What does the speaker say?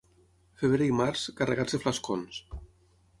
Febrer i març, carregats de flascons.